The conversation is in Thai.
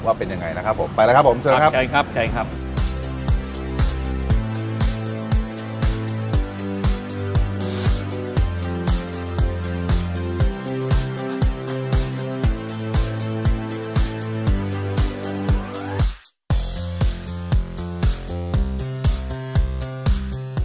ว่าเป็นยังไงนะครับผมไปแล้วครับผมเชิญครับเชิญครับเชิญครับ